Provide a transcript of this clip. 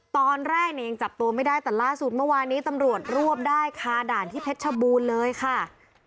ตอนแรกเนี่ยยังจับตัวไม่ได้แต่ล่าสุดเมื่อวานี้ตำรวจรวบได้คาด่านที่เพชรชบูรณ์เลยค่ะ